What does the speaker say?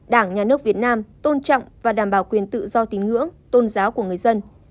đảng nhà nước việt nam tôn trọng và đảm bảo quyền tự do tín ngưỡng tôn giáo của người dân